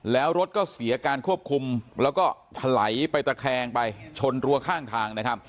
แล้วรถก็เสียการควบคุมแล้วก็ถลายไปตะแคงไปชนรัวข้างทางนะครับ